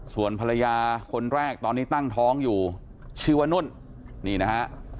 ส่วนภรรยาคนแรกตอนนี้ตั้งท้องอยู่ชื่อว่านุ่นนี่นะฮะ